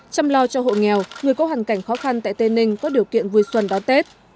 chăm lo cho hộ nghèo người có hoàn cảnh khó khăn tại tây ninh có điều kiện vui xuân đón tết